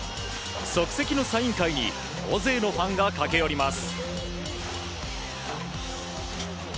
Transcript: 即席のサイン会に大勢のファンが駆け寄ります。